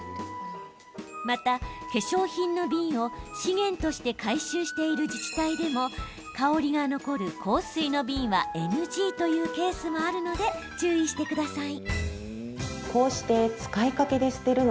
また、化粧品の瓶を資源として回収している自治体でも香りが残る香水の瓶はＮＧというケースもあるので注意してください。